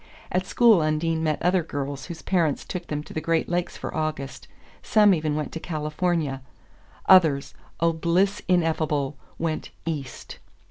At school Undine met other girls whose parents took them to the Great Lakes for August; some even went to California, others oh bliss ineffable! went "east."